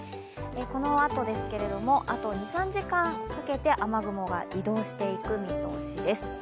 このあと、あと２３時間かけて雨雲が移動していく見通しです。